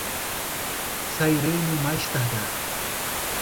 Sairei no mais tardar